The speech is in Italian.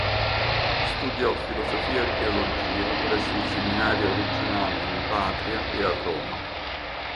Studiò filosofia e teologia presso il seminario regionale in patria e a Roma.